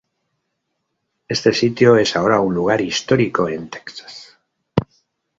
Este sitio es ahora un lugar histórico en Texas.